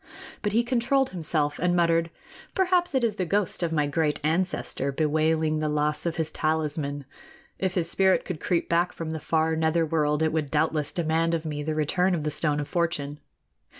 But he controlled himself and muttered: "Perhaps it is the ghost of my great ancestor, bewailing the loss of his talisman. If his spirit could creep back from the far nether world, it would doubtless demand of me the return of the Stone of Fortune....